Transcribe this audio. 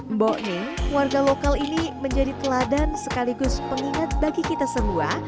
mboknya warga lokal ini menjadi teladan sekaligus pengingat bagi kita semua